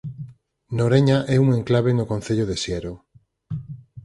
Noreña é un enclave no concello de Siero.